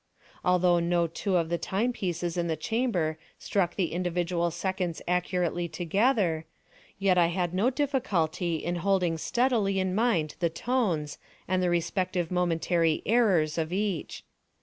Although no two of the time pieces in the chamber struck the individual seconds accurately together, yet I had no difficulty in holding steadily in mind the tones, and the respective momentary errors of each.